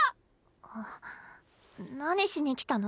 あっ何しに来たの？